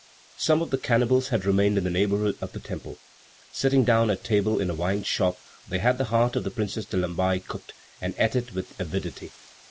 Some of the cannibals had remained in the neighborhood of the Temple. Sitting down at table in a wine shop, they had the heart of the Princess de Lamballe cooked, and ate it with avidity.